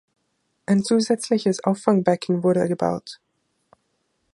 Ein zusätzliches Auffangbecken wurde gebaut.